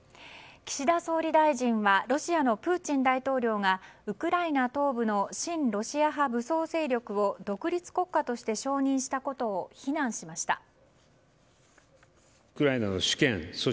岸田総理大臣はロシアのプーチン大統領がウクライナ東部の親ロシア派武装勢力を独立国家として承認したことを非難しました。